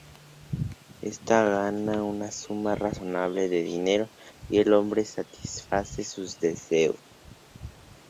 Ésta gana una suma razonable de dinero, y el hombre satisface sus deseos.